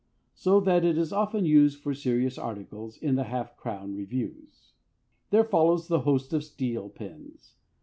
So that it is often used for serious articles in the half crown reviews. There follows the host of steel pens.